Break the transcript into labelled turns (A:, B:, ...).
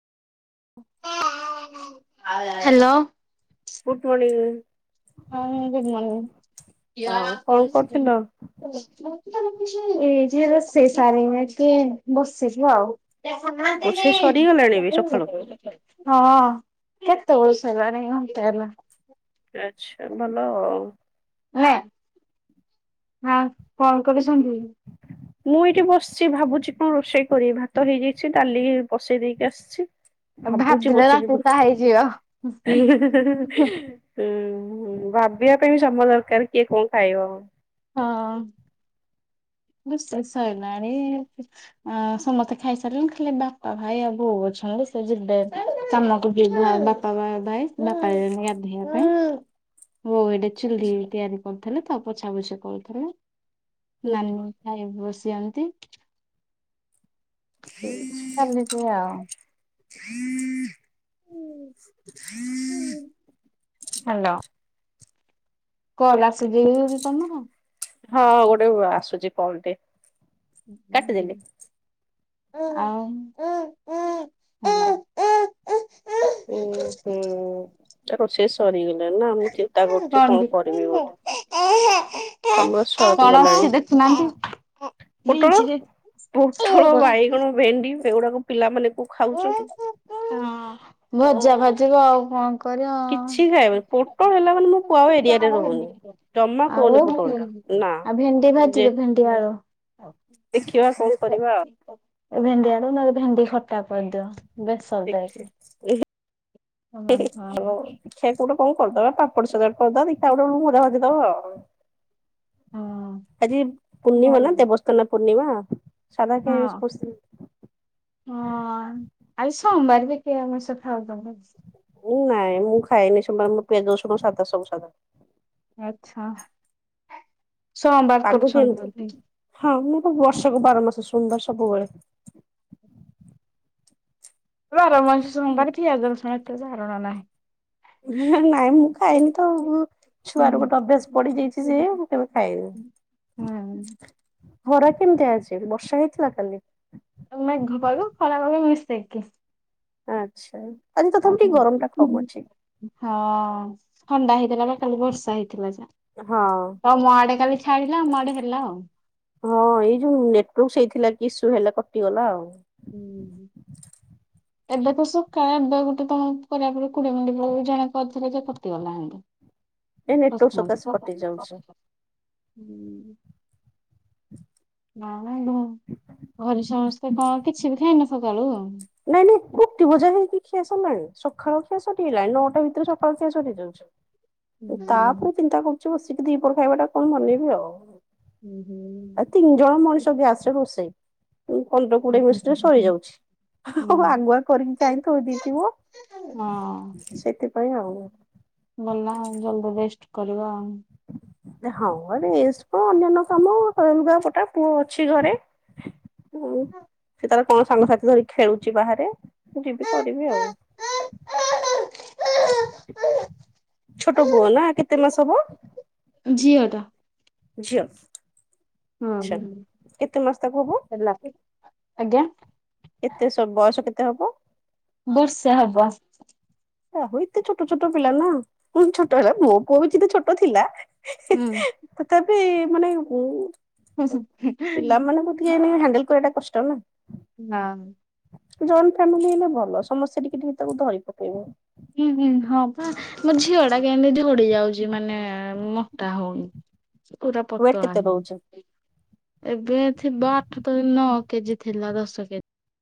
A: Hello.
B: Good morning.
A: ହଁ good
B: ହଁ କଣ
A: ମର୍ନିଙ୍ଗ।
B: କରୁଥିଲ?
A: ଏଇ ଯେ ରୋଷେଇ ସାରିକି ଟିକେ ବସିଛି ଆଉ।
B: ରୋଷେଇ
A: ସାନ୍ତି।
B: ସରିଗଲାଣି ବି
A: [inaudible]
B: ସକାଳୁ
A: ହଁ କେତେ ବେଳୁ ସରିଲାଣି। ଘଣ୍ଟେ ହେଲା
B: ଆଚ୍ଛା ଭଲ ଆଉ।
A: ହେଲା। ହଁ କଣ କରୁଛନ୍ତି?
B: ମୁଁ ଏଇଠି ବସିଛି ଭାବୁଛି କଣ ରୋଷେଇ କରିବି ଭାତ ହେଇଯାଇଛି ଡାଲି ବସେଇ ଦେଇକି ଆସିଛି। ଭାବୁଛି
A: ଭାବିଲେ
B: ବସିକି।
A: ରାତି
B: ହୁଁ
A: ଟା ହେଇଯିବ।
B: ଭାବିବା ପାଇଁ ବି ସମୟ ଦରକାର କିଏ କଣ ଖାଇବ।
A: ହଁ। ରୋଷେଇ ସରିଲାଣି। ଆ ସମସ୍ତେ ଖାଇସାରିଲେଣି ଖାଲି ବାପା ଭାଇ ଆଉ ବୋଉ ଅଛନ୍ତି ସେ ଯିବେ କାମକୁ ଯିବେ ବା ପା ଭାଇ ବାପା ଯାଇଛନ୍ତି ଗାଧୋଇବା ପାଇଁ। ବୋଉ ଏଇଠି ଚୁଲି ତିଆରି କରୁଥିଲେ ତ ପୋଛା ପୋଛି କରୁଥିଲେ।
B: ହୁଁ ହୁଁ
A: ନାନୀ ଭାଇ ବସିଛନ୍ତି।
B: [unintelligible]
A: ଚାଲିଛି ଆଉ। ହ୍ୟାଲୋ। କଲ ଆସିଯିବି କଣ ନା କଣ
B: ହଁ ଗୋଟେ ଆସୁଛି କଲ ଟେ। କାଟିଦେଲି
A: ଆଉ ଉଁ ଉଁ ଉଁ
B: ଉୁଁ ହୁଁ ରୋଷେଇ ସରିଗଲାଣି ନା ମୁଁ ଚିନ୍ତା କରୁଛି କଣ କରିବି ଗୋଟେ,
A: କଣ ହେଉଛି ଦେଖୁନାହାନ୍ତି, ବିନିଶ୍
B: ପୋଟଳ ପୋଟଳ ବାଇଗଣ ଭେଣ୍ଡି ଏଗୁଡାକ ପିଲା ମାନ କୋ ଖାଉଛନ୍ତି।
A: ହଁ ଭଜା ଭାଜିିବି ଆଉ କଣ। କରିବା।
B: କିଛି ଖାଇବନି ପୋଟଳ ହେଲା ମାନେ ମୋ ପୁଅ ଆଉ ଏରିଆରେ ରହୁନି। ଜମା
A: ଆଉ
B: ଖାଉନି
A: ଆଉ
B: ପୋଟଳ ଟା ନା
A: ଭେଣ୍ଡି ଭାଜି
B: ଯେ
A: ଦେ ଭେଣ୍ଡି ଆଳୁ,
B: ଦେଖିବା କଣ କରିବା ଆଉ।
A: ଭେଣ୍ଡି ଆଳୁ ନହେଲେ ଭେଣ୍ଡି ଖଟା କରିଦିଅ। ବେସର ଦେଇକି।
B: ଦେଖେ
A: ହଁ ହଁ
B: ଦେଖିଆ ଗୋଟେ କଣ କରିଦବା ପାମ୍ପଡ଼ ସାଲାଡ଼ କରିଦବା ଖାଇଦେବା ଭଜା ଭାଜିଦେବା ଆଉ। ଆଜି ପୂର୍ଣ୍ଣିମା ନା ଦେବ ସ୍ନାନ ପୂର୍ଣ୍ଣିମା ସାଧା ଖାଇବେ,
A: ହଁ ଆଉ ସୋମବାର ବି କିଏ ଆମିଷ ଖାଇବ
B: ନାଇଁ ମୁଁ ଖାଇନି ସେ ମୋର ପିଆଜ ରସୁଣ ସାଧା ସବୁ ସାଧା।
A: ଆଚ୍ଛା। ସୋମବାର
B: ପାଗ
A: କରୁଛନ୍ତି
B: କିମିତି?
A: ବୋଲି
B: ହଁ ମୁଁ ବର୍ଷକ ବାର ମାସ ସୋମବାର ସବୁବେଳେ।
A: ବାର ମାସ ସୋମବାର ପିଆଜ ରସୁଣ ଏତେ ବାରଣ ନାହିଁ।
B: ହ ନାଇଁ ମୁଁ ଖାଏନି ତ ଆଉ। ଛୁଆରୁ
A: ହୁଁ।
B: ଗୋଟେ ଅଭ୍ୟାସ ପଡିଯାଇଛି। ମୁଁ କେବେ ଖାଏନି।
A: ହୁଁ।
B: ଖରା କେମିତିଆ ଅଛି ବର୍ଷା ହେଇଥିଲା କାଲି।
A: ମେଘ ପାଗ ଖରା ପାଗ ମିଶେଇକି।
B: ଆଚ୍ଛା। ଆଜି
A: ଆ
B: ତଥାପି ଟିକେ ଗରମ ଟା କମ ଅଛି
A: [unintelligible] ହଁ ଥଣ୍ଡା ହେଇଥିଲା ବା କାଲି ବର୍ଷା ହେଇଥିଲା ଯା।
B: ହଁ।
A: ତମ ଆଡେ କାଲି ଛାଡ଼ିଲା ଆମ ଆଡ଼େ ହେଲା ଆଉ।
B: ହଁ ଏଇ ଯୋଉ ନେଟୱାର୍କ ସେଇଥିଲା କି ଇସ୍ୟୁ ହେଲା କଟିଗଲା ଆଉ।
A: ହୁଁ ଏବେ ତ ସକାଳେ ଏବେ ଗୋଟେ ତମ କରିବା ପୂର୍ବରୁ କୋଡିଏ ମିଣ୍ଟି ଜଣେ କରିଥିଲେ ଯେ କଟିଗଲା।
B: ଏଇ ନେଟୱର୍କ ସକାଶେ କଟି ଯାଉଛି।
A: ହୁଁ -
B: [inaudible]
A: ନାଇଁ ନାଇଁ ଢୁଁ ଘରେ ସମସ୍ତେ କଣ କିଛି ବି ଖାଇନ? ସକାଳୁ ଆଉ।
B: ନାଇଁ ନାଇଁ କୋଟି ବଜା ହେଇକି ଖିଆ ସରଲାଣି, ସକାଳ ଖିଆ ସରିଗଲାଣି, ନଅଟା ଭିତରେ ସକାଳ ଖିଆ ସରିଚି।
A: [inaudible]
B: ତାପରେ
A: ହୁଁ।
B: ଚିନ୍ତା କରୁଛି ବସିକି ଦିପର ଖାଇବା ଟା କଣ ବନେଇବି ଆଉ।
A: ହୁଁ -ହୁଁ।
B: ଆଉ ତିନି ଜଣ ମଣିଷ ଗ୍ୟାସରେ ରୋଷେଇ, ପନ୍ଦର କୋଡିଏ ମିଶଟରେ ସରିଯାଉଚି। ହଉ
A: ହଁ
B: ଆଗୁଆ କରିକି କାଇଁ ଥୋଇ ଦେଇଥିବ ସେଥିପାଇଁ ଆଉ।
A: ଭଲ ଆଉ ଜଲଦି ରେଷ୍ଟ କରିବ ଆଉ।
B: ହଁ, ରେଷ୍ଟ କଣ ଅନ୍ୟାନ୍ୟ କାମ ଲୁଗା ପଟା ପୁଅ ଅଛି ଘରେ। ହୁଁ ସେ ତାର କଣ ସାଙ୍ଗସାଥି ଧରି ଖେଳୁଛି ବାହାରେ, ମୁଁ ଯିବି କରିବି ଆଉ। [inaudible] ଛୋଟ ପୁଅ ନାଁ, କେତେ ମାସ ହବ?
A: ଝିଅଟା।
B: ଝିଅ।
A: ହଁ,
B: ଆଚ୍ଛା
A: ହଁ
B: କେତେ ମାସ ତାକୁ ହବ
A: ହେଲା, ଆଜ୍ଞା।
B: ଏତେ ସ ବୟସ କେତେ ହବ?
A: ବର୍ଷେ ହବ ଆ
B: ଆହୁ ଏତେ ଛୋଟ ଛୋଟ ପିଲା ନା, କଣ ଛୋଟ ହେଲା, ମୋ ପୁଅ ବି ଯତେ ଛୋଟ ଥିଲା
A: ହୁଁ।
B: ତତାପି ମାନେ
A: ହୁଁ
B: ବହୁତ
A: ହୁଁ।
B: ପିଲା ମାନେ ଯିଏ ହେନେ ବି ହେଣ୍ଡଲ କରିବା କଷ୍ଟ ନା।
A: ନାଁ।
B: ଜଏଣ୍ଟ ଫ୍ୟାମିଲି ହେଲେ ଭଲ, ସମସ୍ତେ ଟିକେ ଟିକେ ତାକୁ ଧରି ପକେଇବେ।
A: ହୁଁ ହୁଁ, ହଁ ବା ମୋ ଝିଅ ଟା କେମିତି ଝଡି ଯାଉଛି ମାନେ ମୋଟା ହଉନି, ସେ ପୁରା
B: ୱେଟ୍
A: ପତଳା।
B: କେତେ ରହୁଛି?
A: ଏବେ ଥିବ ଆଠ ତ ନଅ କେଜି ଥିଲା ଦଶ କେ